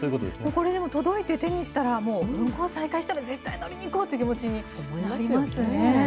これでも届いて、手にしたら、もう運行再開したら、絶対乗りに行こうって気持ちになりますよね。